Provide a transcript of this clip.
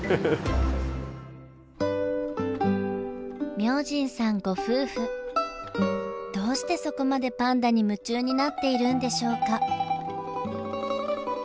明神さんご夫婦どうしてそこまでパンダに夢中になっているんでしょうか？